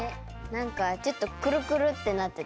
なんかちょっとくるくるってなってたやつ。